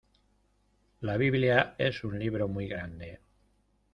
La biblia es un libro muy grande.